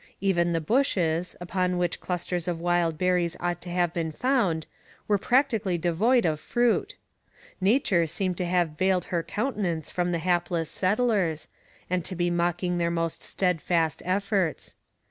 Even the bushes, upon which clusters of wild berries ought to have been found, were practically devoid of fruit. Nature seemed to have veiled her countenance from the hapless settlers, and to be mocking their most steadfast efforts.